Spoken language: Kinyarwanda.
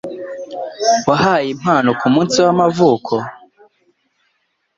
Wahaye impano kumunsi w'amavuko?